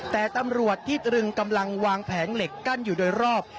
แต่ตำรวจที่ตรึงกำลังวางแผงเหล็กกั้นอยู่โดยรอบ